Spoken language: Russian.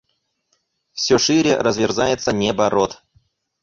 Все шире разверзается неба рот.